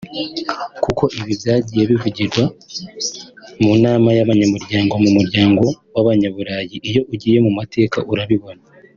Kuko ibi byagiye bivugirwa mu nama y’abanyamuryango b’umuryango w’abanyaburayi iyo ugiye mu mateka urabibona